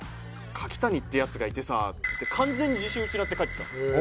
柿谷ってヤツがいてさ」って完全に自信失って帰ってきたんですよ。